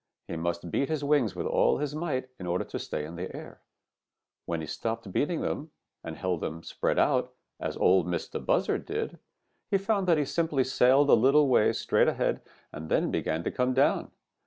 He must beat his wings with all his might in order to stay in the air. When he stopped beating them and held them spread out as Ol' Mistah Buzzard did, he found that he simply sailed a little way straight ahead and then began to come down.